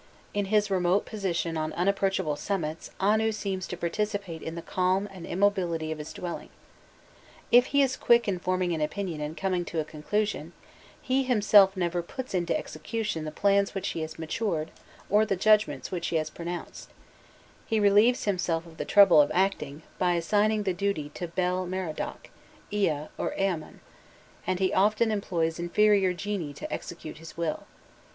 In his remote position on unapproachable summits Anu seems to participate in the calm and immobility of his dwelling. If he is quick in forming an opinion and coming to a conclusion, he himself never puts into execution the plans which he has matured or the judgments which he has pronounced: he relieves himself of the trouble of acting, by assigning the duty to Bel Merodach, Ea, or Eamman, and he often employs inferior genii to execute his will.